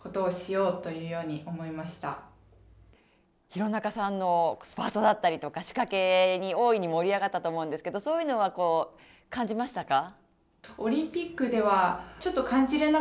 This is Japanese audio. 廣中さんのスパートだったり、仕掛けに大いに盛り上がったと思うんですけどそういうのは、感じましたか？